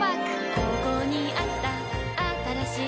ここにあったあったらしい